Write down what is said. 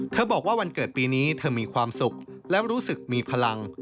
บอกว่าวันเกิดปีนี้เธอมีความสุขและรู้สึกมีพลัง